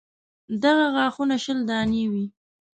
دغه غاښونه شل دانې وي.